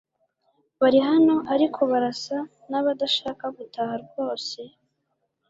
Bari hano, ariko barasa nabadashaka gutaha rwose?